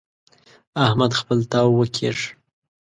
احمد خپل تاو وکيښ.